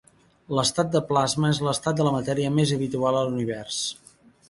L'estat de plasma és l'estat de la matèria més habitual a l'Univers.